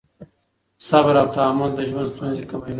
صبر او تحمل د ژوند ستونزې کموي.